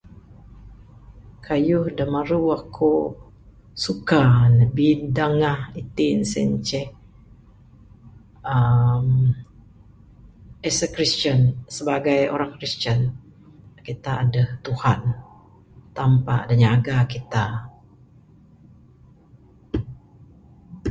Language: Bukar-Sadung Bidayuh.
Kayuh da maru akuk suka bidangah iti ne sien ceh, uhh as a Christian, sebagai orang Kristien. Kitak aduh Tuhan, Tampa da nyaga kitak.